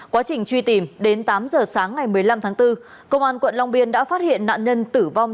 quá trình truy tìm đến tám giờ sáng ngày một mươi năm tháng bốn công an quận long biên đã phát hiện nạn nhân tử vong